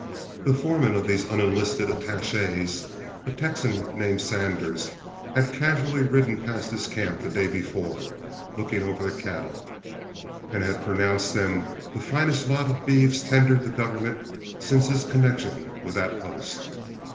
The foreman of these unenlisted attaches, a Texan named Sanders, had casually ridden past his camp the day before, looking over the cattle, and had pronounced them the finest lot of beeves tendered the government since his connection with that post.